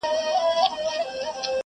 که زما منۍ د دې لولۍ په مینه زړه مه تړی؛